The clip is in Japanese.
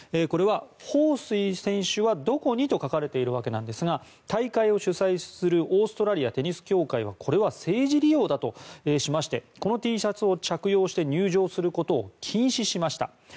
これは「ホウ・スイ選手はどこに？」と書かれているわけですが大会を主催するオーストラリアテニス協会はこれは政治利用だとしましてこのＴシャツを着用して入場することを禁止しました。